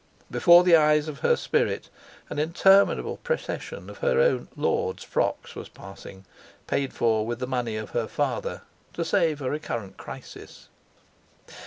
Before the eyes of her spirit an interminable procession of her own "Lord's" frocks was passing, paid for with the money of her father, to save a recurrent crisis.